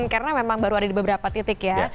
karena memang baru ada di beberapa titik ya